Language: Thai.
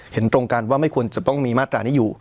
เห็นตรงกันว่าไม่ควรจะต้องมีมาตรานี้อยู่